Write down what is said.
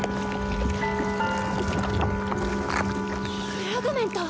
フラグメント⁉